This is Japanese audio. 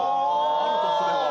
あるとすれば。